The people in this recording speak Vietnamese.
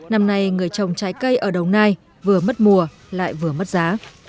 năm nay người trồng trái cây ở đồng nai vừa mất mùa lại vừa mất giá